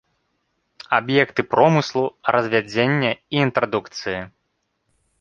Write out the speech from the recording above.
Аб'екты промыслу, развядзення і інтрадукцыі.